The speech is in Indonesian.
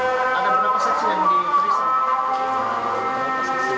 ada berapa saksi yang diotopsi